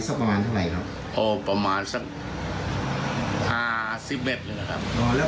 สักประมาณเท่าไหร่ครับพอประมาณสักห้าสิบเอ็ดเลยนะครับ